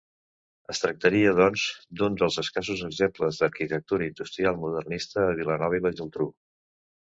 Es tractaria, doncs, d'un dels escassos exemples d'arquitectura industrial modernista a Vilanova i la Geltrú.